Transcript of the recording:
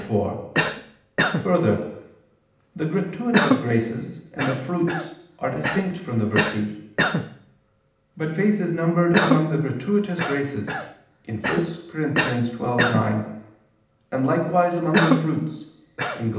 4: Further, the gratuitous graces and the fruits are distinct from the virtues. But faith is numbered among the gratuitous graces (1 Cor. 12:9) and likewise among the fruits (Gal.